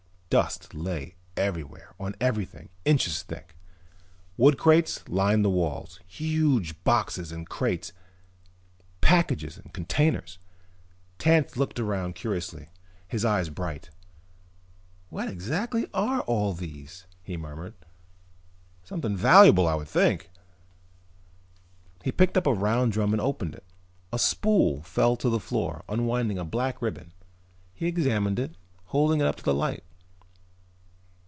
Dust lay everywhere, on everything, inches thick. Wood crates lined the walls, huge boxes and crates, packages and containers. Tance looked around curiously, his eyes bright. "What exactly are all these?" he murmured. "Something valuable, I would think." He picked up a round drum and opened it. A spool fell to the floor, unwinding a black ribbon. He examined it, holding it up to the light.